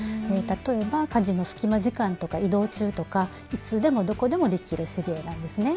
例えば家事の隙間時間とか移動中とかいつでもどこでもできる手芸なんですね。